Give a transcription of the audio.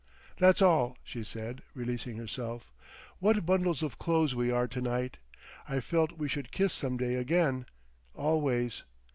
"That's all," she said, releasing herself. "What bundles of clothes we are to night. I felt we should kiss some day again. Always.